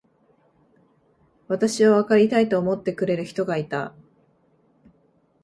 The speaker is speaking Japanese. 私をわかりたいと思ってくれる人がいた。